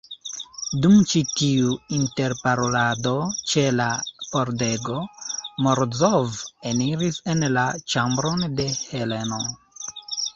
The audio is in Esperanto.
Dum ĉi tiu interparolado ĉe la pordego, Morozov eniris en la ĉambron de Heleno.